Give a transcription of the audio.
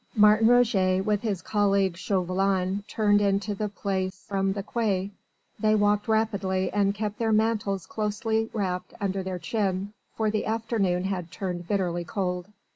Martin Roget with his colleague Chauvelin turned into the Place from the quay they walked rapidly and kept their mantles closely wrapped under their chin, for the afternoon had turned bitterly cold.